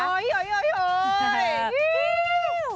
เฮ้ยเฮ้ยเฮ้ยเฮ้ย